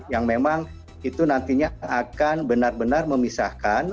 yang memang itu nantinya akan benar benar memisahkan